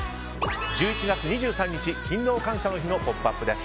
１１月２３日、勤労感謝の日の「ポップＵＰ！」です。